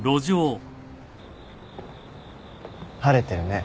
晴れてるね。